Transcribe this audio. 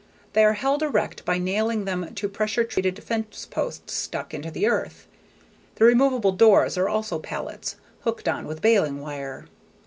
They are held erect by nailing them to pressure treated fence posts sunk into the earth. The removable doors are also pallets, hooked on with bailing wire.